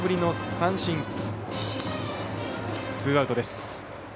ツーアウトです。